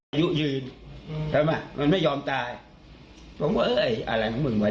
ต่อก่อนเห็นที่เราเตรียมการมายังไง